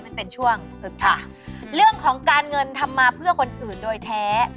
มันเป็นช่วงอึกค่ะเรื่องของการเงินทำมาเพื่อคนอื่นโดยแท้